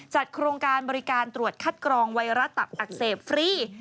โครงการบริการตรวจคัดกรองไวรัสตับอักเสบฟรี